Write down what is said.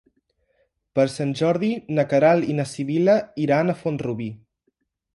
Per Sant Jordi na Queralt i na Sibil·la iran a Font-rubí.